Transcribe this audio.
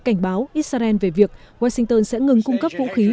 cảnh báo israel về việc washington sẽ ngừng cung cấp vũ khí